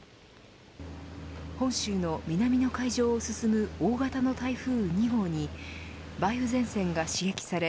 本州の南の海上を進む大型の台風２号に梅雨前線が刺激され